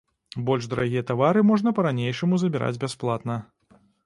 Больш дарагія тавары можна па-ранейшаму забіраць бясплатна.